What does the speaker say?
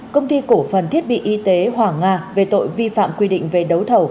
công ty cổ phần thiết bị y tế hoàng nga về tội vi phạm quy định về đấu thầu